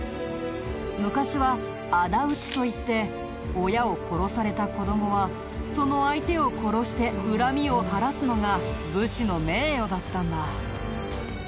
昔は仇討ちといって親を殺された子どもはその相手を殺して恨みを晴らすのが武士の名誉だったんだ。